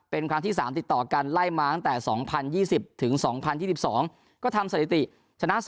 เป็นครั้งที่๓ติดต่อกันไล่มาตั้งแต่๒๐๒๐ถึง๒๐๒๒ก็ทำสถิติชนะ